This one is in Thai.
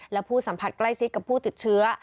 และผู้สัมผัสใกล้ชิดกับผู้ติดเชื้อ